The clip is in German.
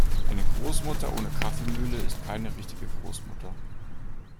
Eine Großmutter ohne Kaffeemühle ist keine richtige Großmutter.